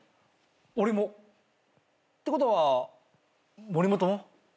俺も。ってことは森本も？